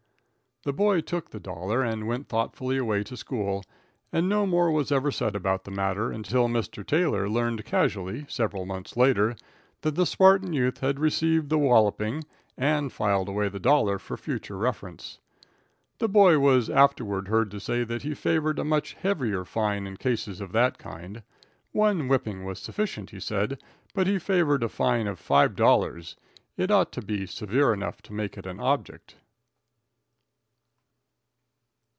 The boy took the dollar and went thoughtfully away to school, and no more was ever said about the matter until Mr. Taylor learned casually several months later that the Spartan youth had received the walloping and filed away the dollar for future reference. The boy was afterward heard to say that he favored a much heavier fine in cases of that kind. One whipping was sufficient, he said, but he favored a fine of $5. It ought to be severe enough to make it an object.